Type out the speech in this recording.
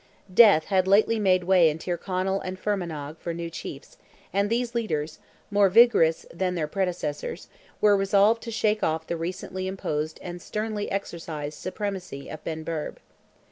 Death had lately made way in Tyrconnell and Fermanagh for new chiefs, and these leaders, more vigorous than their predecessors, were resolved to shake off the recently imposed and sternly exercised supremacy of Benburb.